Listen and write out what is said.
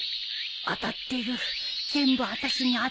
当たってる全部あたしに当たってるよ。